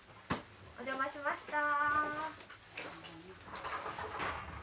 お邪魔しました。